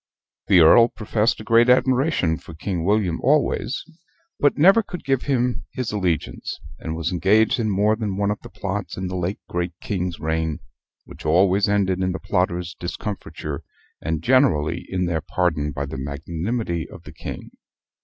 The Earl professed a great admiration for King William always, but never could give him his allegiance; and was engaged in more than one of the plots in the late great King's reign which always ended in the plotters' discomfiture, and generally in their pardon, by the magnanimity of the King.